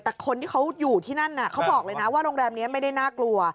แต่คนที่เขาอยู่ที่นั่นเขาบอกเลยนะว่าโรงแรมนี้ไม่ได้น่ากลัว